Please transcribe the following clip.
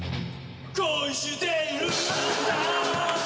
恋しているのさ